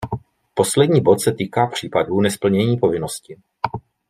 Poslední bod se týká případů nesplnění povinnosti.